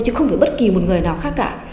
chứ không phải bất kỳ một người nào khác cả